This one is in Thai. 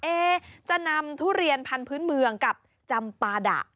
จะนำทุเรียนพันธุ์เมืองกับจำปาดะ